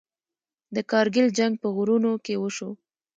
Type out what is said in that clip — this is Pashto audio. د کارګیل جنګ په غرونو کې وشو.